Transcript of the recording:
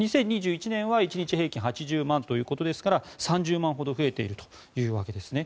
２０２１年は１日平均８０万ということですから３０万ほど増えているわけですね。